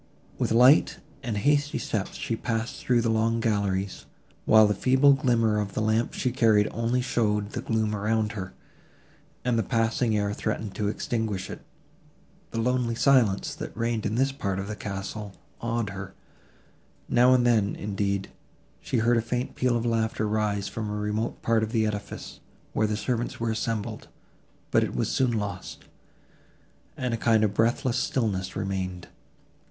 With light and hasty steps she passed through the long galleries, while the feeble glimmer of the lamp she carried only showed the gloom around her, and the passing air threatened to extinguish it. The lonely silence, that reigned in this part of the castle, awed her; now and then, indeed, she heard a faint peal of laughter rise from a remote part of the edifice, where the servants were assembled, but it was soon lost, and a kind of breathless stillness remained.